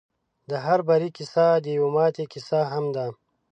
د هر بري کيسه د يوې ماتې کيسه هم ده.